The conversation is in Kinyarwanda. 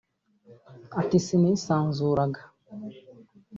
Ati”sinisanzuraga